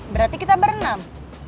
berarti kita berenam